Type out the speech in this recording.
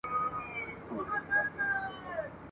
وایی تم سه خاطرې دي راته وایی !.